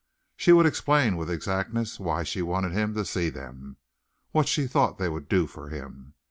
She would explain with exactness why she wanted him to see them, what she thought they would do for him.